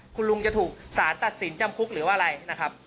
คุณลุงจะถูกสารตัดสินจำคุกหรือว่าอะไรนะครับ